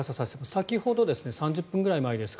先ほど、３０分ぐらい前ですか